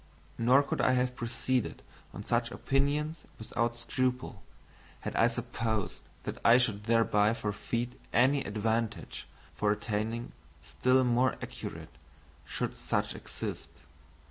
Nor could I have proceeded on such opinions without scruple, had I supposed that I should thereby forfeit any advantage for attaining still more accurate, should such exist.